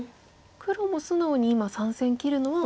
黒も素直に今３線切るのは。